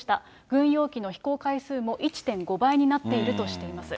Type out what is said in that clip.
軍用機の飛行回数も１．５倍になっているとしています。